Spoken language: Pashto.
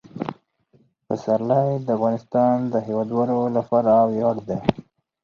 پسرلی د افغانستان د هیوادوالو لپاره ویاړ دی.